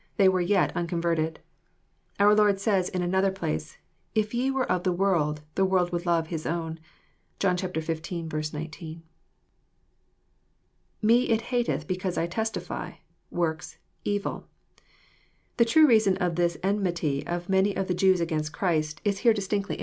They were yet unconverted. Our Lord says, in another place, — "If ye were of the world, the world would love his own." (John 19.) [ife it hctteth because I testify, . .works, .. evil.} The true reason of this enmity of many of the Jews against Christ is here distinctly 10 EXFOSnOBY THODOHTS.